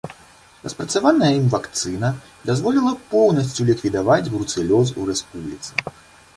Распрацаваная ім вакцына дазволіла поўнасцю ліквідаваць бруцэлёз у рэспубліцы.